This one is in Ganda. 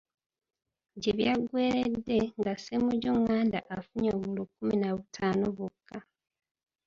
Gye byaggweeredde nga Ssemujju Nganda afunye obululu kkumi na butaano bwokka.